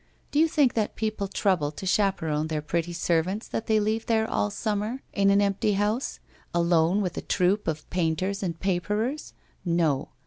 Do you think that people trouble to chaperon their pretty servants that they leave there all the summer in an empty WHITE ROSE OF WEARY LEAF 259 house, alone with a troop of painters and paperers? No.